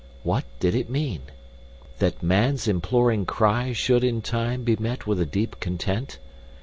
What did it mean? That man's imploring cry should in time be met with a deep content?